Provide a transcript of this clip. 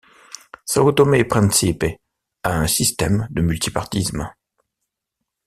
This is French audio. Sao Tomé-et-Principe a un système de multipartisme.